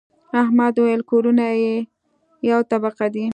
احمد وويل: کورونه یوه طبقه دي.